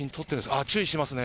あっ、注意してますね。